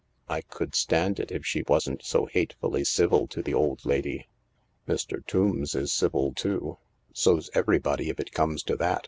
I could stand it if she wasn't so hatefully civil to the old lady." "Mr, Tombs is civil too." " So's everybody if it comes to that.